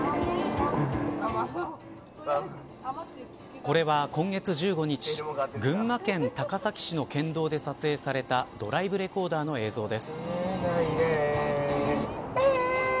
これは今月１５日群馬県高崎市の県道で撮影されたドライブレコーダーの映像です。